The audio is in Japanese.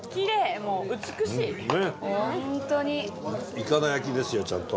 いかだ焼きですよちゃんと。